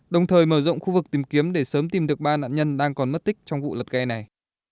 đồng thời mở rộng khu vực tìm kiếm để sớm tìm được ba nạn nhân đang còn mất tích trong vụ lật ghe này